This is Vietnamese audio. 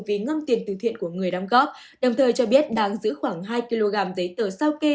vì ngân tiền từ thiện của người đóng góp đồng thời cho biết đang giữ khoảng hai kg giấy tờ sao kê